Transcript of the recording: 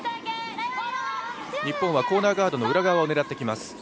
日本はコーナーガードの裏側を狙ってきます。